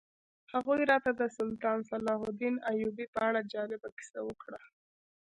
هغوی راته د سلطان صلاح الدین ایوبي په اړه جالبه کیسه وکړه.